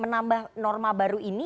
menambah norma baru ini